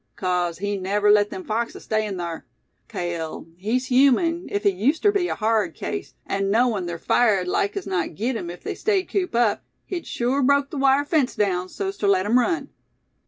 "'Cause he'd never let them foxes stay in thar. Cale, he's human, ef he used ter be a hard case; an' knowin' ther fire'd like as not git 'em if they stayed cooped up, he'd sure broke the wire fence daown so's ter let 'em run."